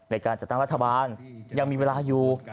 ในการจัดตั้งรัฐบาลยังมีเวลาอยู่